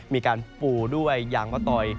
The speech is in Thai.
มีการปูด้วยยางมะตอย